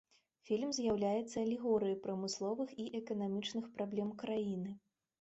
Фільм з'яўляецца алегорыяй прамысловых і эканамічных праблем краіны.